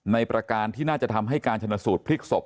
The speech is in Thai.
ประการที่น่าจะทำให้การชนสูตรพลิกศพ